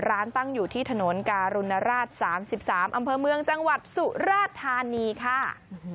ร้านตั้งอยู่ที่ถนนการุณราช๓๓อำเภอเมืองจังหวัดสุราธานีค่ะ